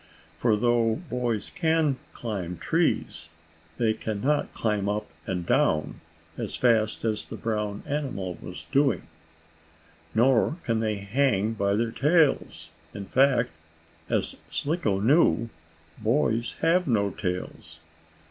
For, though boys can climb trees, they can not climb up and down as fast as the brown animal was doing, nor can they hang by their tails. In fact, as Slicko knew, boys have no tails.